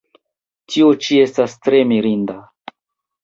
Tio ĉi estas tre mirinda!